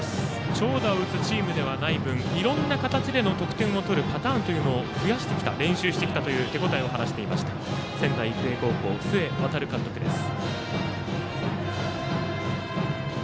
長打を打つチームではない分いろんな形での得点を取るパターンを増やしてきた、練習してきた手応えを話していた仙台育英の須江航監督です。